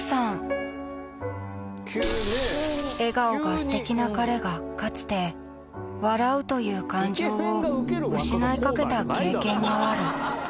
笑顔が素敵な彼がかつて「笑う」という感情を失いかけた経験がある